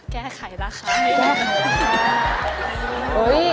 แก้ไขราคาไม่ได้